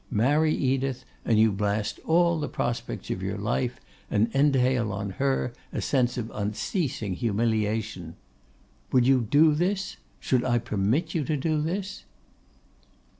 Marry Edith, and you blast all the prospects of your life, and entail on her a sense of unceasing humiliation. Would you do this? Should I permit you to do this?